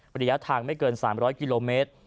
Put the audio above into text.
ระยะทางไม่เกิน๓๐๐กิโลเมตร